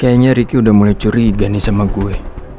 kayaknya ricky udah mulai curiga nih sama gue